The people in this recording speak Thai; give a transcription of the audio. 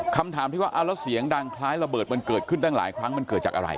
คำถามที่ว่าเอาแล้วเสียงดังคล้ายระเบิดมันเกิดขึ้นตั้งหลายครั้งมันเกิดจากอะไร